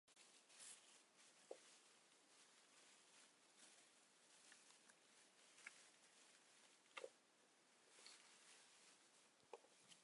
批次间的闲置停顿时间被称为停机时间。